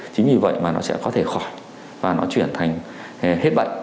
chính vì vậy mà nó sẽ có thể khỏi và nó chuyển thành hết bệnh